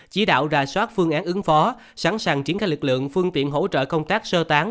chỉ đạo ra soát phương án ứng phó sẵn sàng chiến khai lực lượng phương tiện hỗ trợ công tác sơ tán